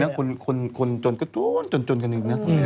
แต่จริงนะคนจนก็โดนจนกันอีกเนี่ย